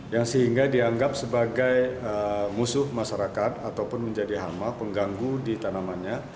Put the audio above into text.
yang sehingga dianggap sebagai musuh masyarakat ataupun menjadi hama pengganggu di tanamannya